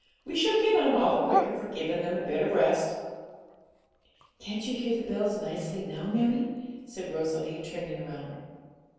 We shall get on all the quicker for giving them a bit of rest.' 'Can't you hear the bells nicely now, mammie?' said Rosalie, turning round.